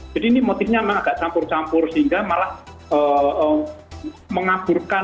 ini motifnya memang agak campur campur sehingga malah mengaburkan